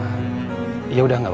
maka aku mau dateng ke sana